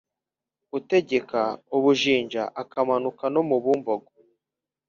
Utegeka u Bujinja akamanuka no mu bumbogo